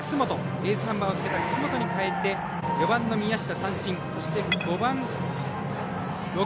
エースナンバーをつけた楠本に代えて４番、宮下三振。